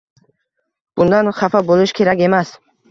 Bundan xafa boʻlish kerak emas.